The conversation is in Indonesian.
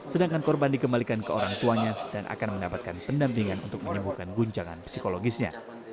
sedangkan korban dikembalikan ke orang tuanya dan akan mendapatkan pendampingan untuk menyembuhkan guncangan psikologisnya